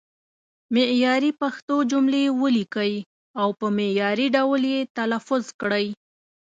معیاري پښتو جملې ولیکئ او په معیاري ډول یې تلفظ کړئ.